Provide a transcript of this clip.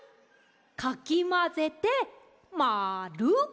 かきまぜてまる。